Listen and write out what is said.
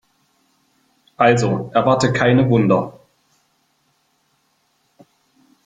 Also erwarte keine Wunder.